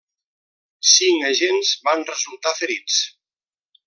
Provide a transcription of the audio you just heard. Cinc agents van resultar ferits.